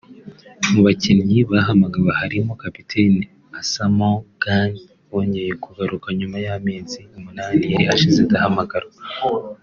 Mu bakinnyi bahamagawe harimo Kapiteni Asamoah Gyan wongeye kugaruka nyuma y’amezi umunani yari ashize adahamagarwa